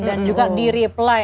dan juga di reply